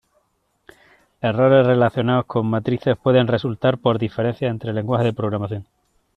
Errores relacionados con matrices pueden resultar por diferencias entre lenguajes de programación.